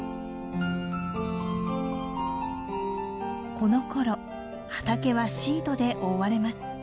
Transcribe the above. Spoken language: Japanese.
このころ畑はシートで覆われます。